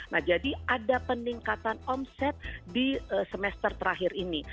nah jadi ada peningkatan omset di semester terakhir ini